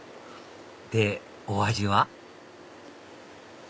でお味は？